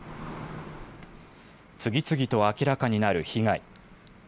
次々と明らかになる被害。